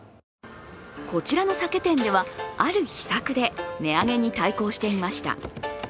こちらの酒店では、ある秘策で値上げに対抗していました。